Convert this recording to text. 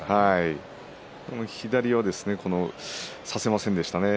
左は差せませんでしたね。